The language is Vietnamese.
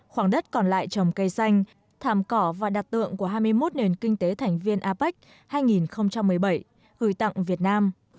khoảng đất còn lại trồng cây xanh thàm cỏ và đặt tượng của hai mươi một nền kinh tế thành viên apec hai nghìn một mươi bảy gửi tặng việt nam